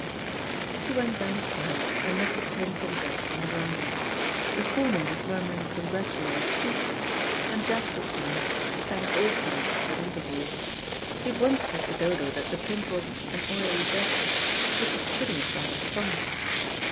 She went downstairs and met the Prince and Jack on the verandah. The former was murmuring congratulatory speeches, and Jack was saying "Thanks awfully" at intervals. He had once said to Dodo that the Prince was "an oily devil," which was putting it rather strongly.